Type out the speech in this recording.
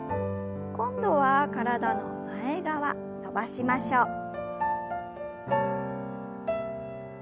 今度は体の前側伸ばしましょう。